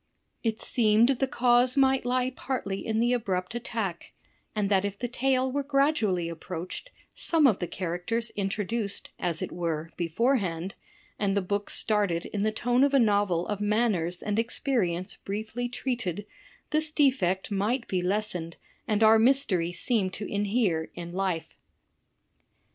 It seemed the cause might lie partly in the abrupt attack; and that if the tale were gradually approached, some of the characters introduced (as it were) beforehand, and the book started in the tone of a novel of manners and experience briefly treated, this defect might be lessened and our mystery seem to inhere in life."